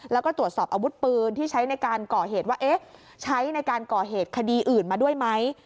แล้วก็ตรวจสอบอาวุธปืนที่ใช้ในการก่อเหตุว่าเอ๊ะใช้ในการก่อเหตุคดีอื่นมาด้วยไหม